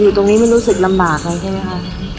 อยู่ตรงนี้มันรู้สึกลำบากแล้วใช่ไหมคะ